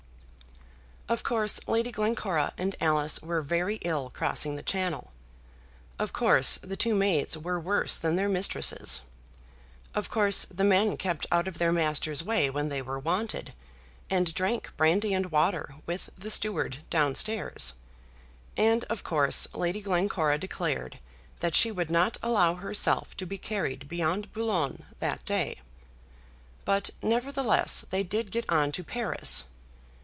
Of course Lady Glencora and Alice were very ill crossing the Channel; of course the two maids were worse than their mistresses; of course the men kept out of their master's way when they were wanted, and drank brandy and water with the steward down stairs; and of course Lady Glencora declared that she would not allow herself to be carried beyond Boulogne that day; but, nevertheless, they did get on to Paris.